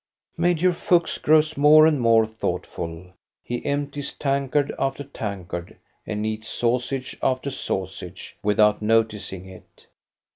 Major Fuchs grows more and more thoughtful. He empties tankard after tankard, and eats sausage after sausage, without noticing it.